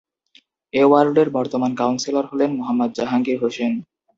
এ ওয়ার্ডের বর্তমান কাউন্সিলর হলেন মোহাম্মদ জাহাঙ্গীর হোসেন।